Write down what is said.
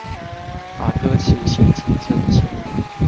把歌詞寫進政見